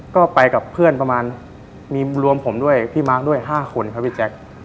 ก็ไปกับเพื่อนประมาณมีรวมผมด้วยพี่มาร์คด้วย๕คนครับพี่แจ๊ค